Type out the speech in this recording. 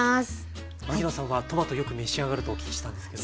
牧野さんはトマトよく召し上がるとお聞きしたんですけど。